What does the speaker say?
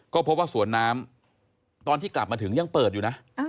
ก็พบว่าสวนน้ำตอนที่กลับมาถึงยังเปิดอยู่นะ